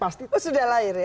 sudah lahir ya